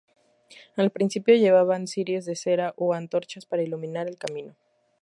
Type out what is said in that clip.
Al principio llevaban cirios de cera o antorchas para iluminar el camino.